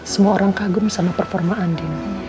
semua orang kagum sama performa andi